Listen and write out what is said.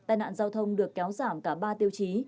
tai nạn giao thông được kéo giảm cả ba tiêu chí